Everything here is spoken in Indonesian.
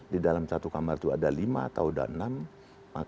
di dalam satu kamar itu ada lima atau ada enam